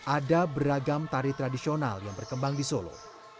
ada beragam tari tradisional yang berkembang di solo